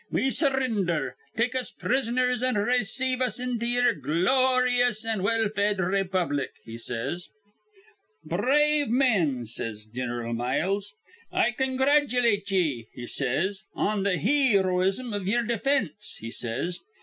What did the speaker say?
'We surrinder. Take us prisoners, an' rayceive us into ye'er gloryous an' well fed raypublic,' he says. 'Br rave men,' says Gin'ral Miles, 'I congratulate ye,' he says, 'on th' heeroism iv yer definse,' he says.